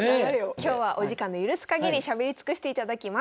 今日はお時間の許すかぎりしゃべり尽くしていただきます。